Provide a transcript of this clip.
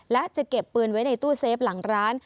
และจะเก็บปืนไว้ในตู้เซฟหลังร้าน